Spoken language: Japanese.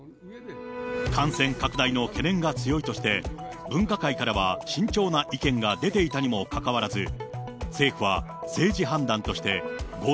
感染拡大の懸念が強いとして、分科会からは、慎重な意見が出ていたにもかかわらず、政府は政治判断として、Ｇｏ